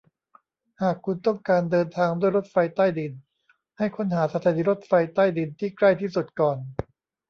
หากคุณต้องการเดินทางด้วยรถไฟใต้ดินให้ค้นหาสถานีรถไฟใต้ดินที่ใกล้ที่สุดก่อน